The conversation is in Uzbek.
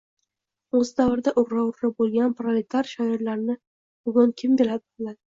Oʻz davrida urra-urra boʻlgan proletar shoirlarini bugun kim biladi